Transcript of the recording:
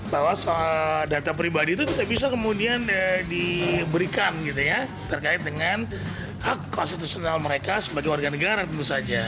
bahwa soal data pribadi itu tidak bisa kemudian diberikan gitu ya terkait dengan hak konstitusional mereka sebagai warga negara tentu saja